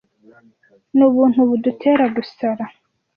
nubuntu budutera gusara